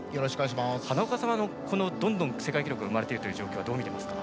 花岡さんはどんどん世界記録が生まれている状況どうご覧になっていますか。